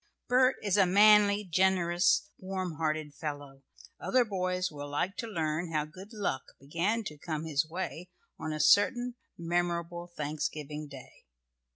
Bert is a manly, generous, warm hearted fellow. Other boys will like to read how good luck began to come his way on a certain memorable Thanksgiving Day.